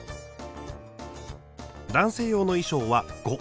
男性用の衣装はゴ。